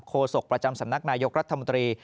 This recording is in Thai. โศกประจำสำนักนายกรัฐมนตรี